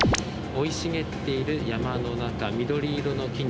生い茂っている山の中緑色の木々。